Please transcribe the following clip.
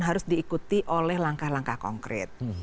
harus diikuti oleh langkah langkah konkret